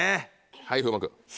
はい風磨君。